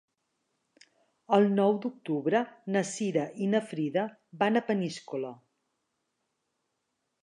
El nou d'octubre na Cira i na Frida van a Peníscola.